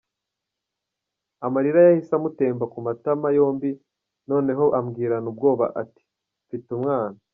Amarira yahise amutemba ku matama yombi noneho ambwirana ubwoba ati “Mfite umwana.